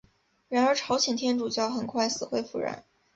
然而朝鲜天主教很快死灰复燃。